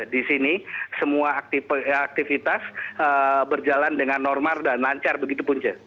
di sini semua aktivitas berjalan dengan normal dan lancar begitu punca